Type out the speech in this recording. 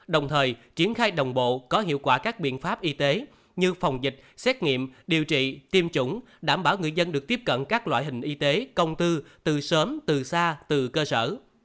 đồng thời triển khai đồng bộ có hiệu quả các biện pháp y tế như phòng dịch xét nghiệm điều trị tiêm chủng đảm bảo người dân được tiếp cận các loại hình y tế công tư từ sớm từ xa từ cơ sở